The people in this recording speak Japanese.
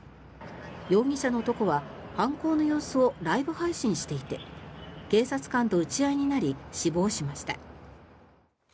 容疑者の男は犯行の様子をライブ配信していて警察官と撃ち合いになり死亡しました。